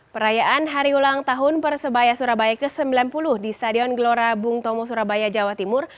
perayaan hari ulang tahun persebaya surabaya ke sembilan puluh di stadion gelora bung tomo surabaya jawa timur